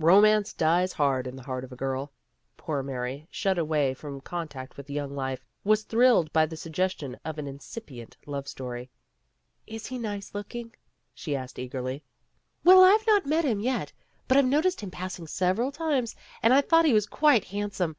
Romance dies hard in the heart of a girl. Poor Mary, shut away from con tact with young life, was thrilled by the sugges tion of an incipient love story. "Is he nice looking?" she asked eagerly. A TELEPHONE PARTY 35 "Well, I've not met him yet, but I've noticed him passing several times, and I thought he was quite handsome.